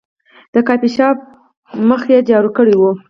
د کافي شاپ مخ یې جارو کړی و.